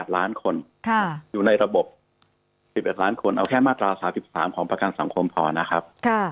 ล้านคนอยู่ในระบบ๑๑ล้านคนเอาแค่มาตรา๓๓ของประกันสังคมพอนะครับ